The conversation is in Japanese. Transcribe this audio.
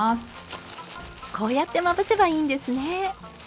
こうやってまぶせばいいんですね。